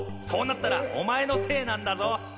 そうなったらお前のせいなんだぞ